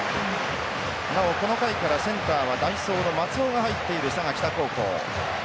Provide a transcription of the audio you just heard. なおこの回からセンターは代走の松尾が入っている佐賀北高校。